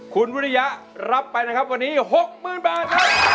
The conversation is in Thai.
คุณวุฒิยะรับไปนะครับวันนี้๖๐๐๐๐บาท